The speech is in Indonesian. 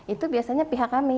itu biasanya pihak kami